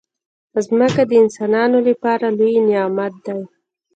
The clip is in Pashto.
مځکه د انسانانو لپاره لوی نعمت دی.